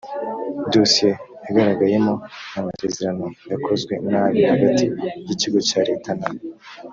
dosiye yagaragayemo amasezerano yakozwe nabi hagati y ikigo cya leta na